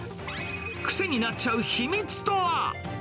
癖になっちゃう秘密とは？